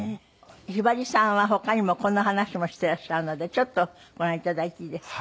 ひばりさんは他にもこんな話もしていらっしゃるのでちょっとご覧頂いていいですか？